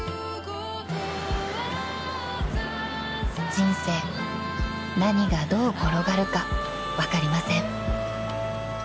［人生何がどう転がるか分かりません］